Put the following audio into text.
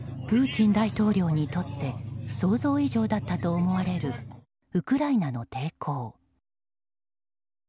プーチン大統領にとって想像以上だったと思われるウクライナの抵抗。